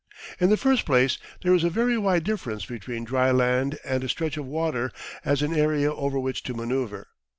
In the first place there is a very wide difference between dry land and a stretch of water as an area over which to manoeuvre.